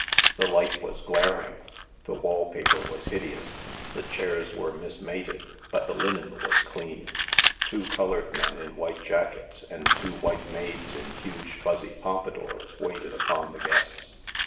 The light was glar ing, the wall paper was hideous, the chairs were mis mated, but the linen was clean. Two colored men in white jackets and two white maids in huge fuzzy pompadours waited upon the guests.